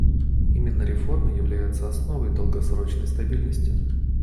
Именно реформы являются основой долгосрочной стабильности.